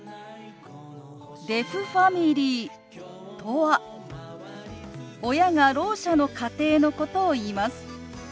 デフファミリーとは親がろう者の家庭のことをいいます。